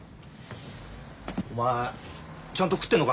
お前ちゃんと食ってんのか？